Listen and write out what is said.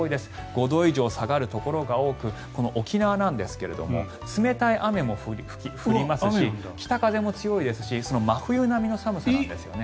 ５度以上下がるところが多く沖縄なんですけれども冷たい雨も降りますし北風も強いですし真冬並みの寒さなんですよね。